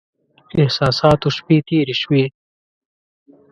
احساساتو شپې تېرې شوې.